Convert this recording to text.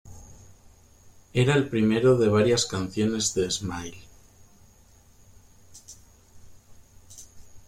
Era el primero de varias canciones de "Smile".